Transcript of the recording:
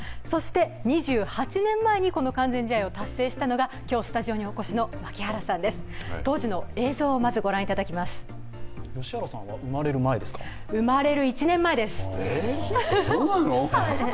そして、２８年前にこの完全試合を達成したのが今日スタジオにお越しの槙原さんです。